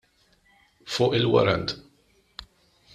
Kellna wkoll il-każ ta' Diane Gerada.